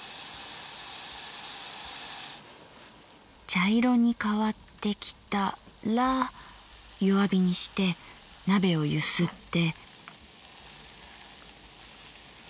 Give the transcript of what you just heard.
茶色に変わってきたら弱火にして鍋をゆすって。